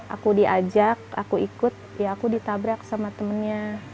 aku diajak aku ikut ya aku ditabrak sama temennya